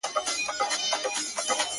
هغه اوس زما مور ته له ما څخه شکوه نه کوي,